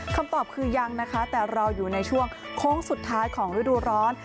คำตอบคือยังนะคะแต่เราอยู่ในช่วงโค้งสุดท้ายของฤดูร้อน